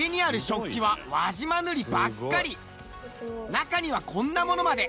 中にはこんなものまで。